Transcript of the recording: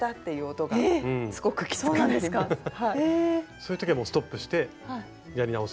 そういう時はもうストップしてやり直す。